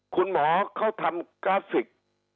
คุณหมอเขาทำกราฟิก